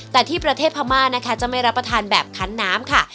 แต่ที่ประเทศพม่านะคะจะไม่รับประทานแบบคันน้ำค่ะ